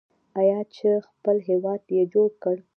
آیا چې خپل هیواد یې جوړ کړ؟